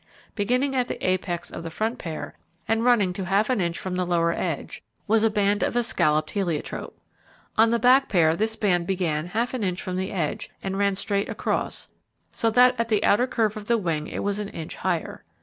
Beginning at the apex of the front pair, and running to half an inch from the lower edge, was a band of escalloped heliotrope. On the back pair this band began half an inch from the edge and ran straight across, so that at the outer curve of the wing it was an inch higher.